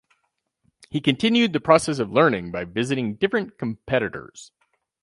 He continued the process of learning by visiting different competitors.